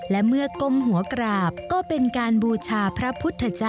และเมื่อก้มหัวกราบก็เป็นการบูชาพระพุทธเจ้า